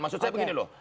maksud saya begini loh